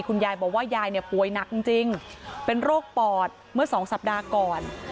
คุณยายบอกว่ายายเนี่ยป่วยหนักจริงเป็นโรคปอดเมื่อสองสัปดาห์ก่อน